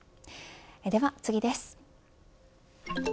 では次です。